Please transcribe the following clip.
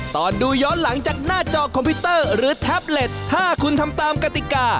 ถ้าคุณทำตามกฎิกา